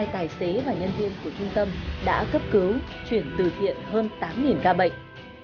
hai mươi hai tài xế và nhân viên của trung tâm đã cấp cứu chuyển tử thiện hơn tám ca bệnh